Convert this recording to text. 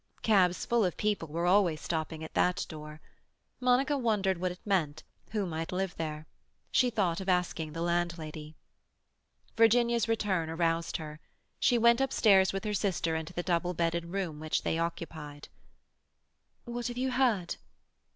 Cabs full of people were always stopping at that door. Monica wondered what it meant, who might live there. She thought of asking the landlady. Virginia's return aroused her. She went upstairs with her sister into the double bedded room which they occupied. "What have you heard?"